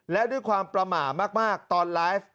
และด้วยความประมาทมากตอนไลฟ์